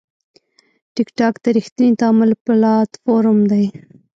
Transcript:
ټکټاک د ریښتیني تعامل پلاتفورم دی.